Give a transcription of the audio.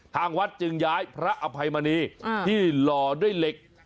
ทางวัดจึงย้ายพระอภัยมณีที่หล่อด้วยเหล็ก